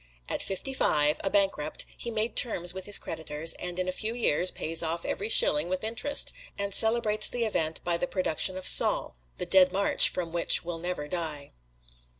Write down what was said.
At fifty five, a bankrupt, he makes terms with his creditors and in a few years pays off every shilling with interest, and celebrates the event by the production of "Saul," the "Dead March" from which will never die.